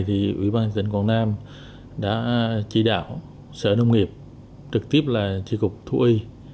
thì ủy ban nhân dân tỉnh quảng nam đã chỉ đạo sở nông nghiệp trực tiếp là chỉ cục thu y